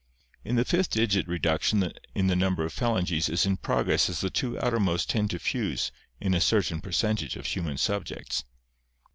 In the fifth digit reduction in the number of phalanges is in progress as the two outer most tend to fuse in a certain percentage of human subjects.